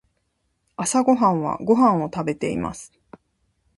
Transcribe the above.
朝ごはんはご飯を食べています。